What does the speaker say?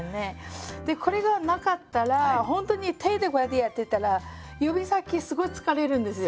でこれがなかったらほんとに手でこうやってやってたら指先すごい疲れるんですよ。